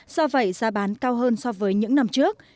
do vậy giá bán cao hơn so với những năm trước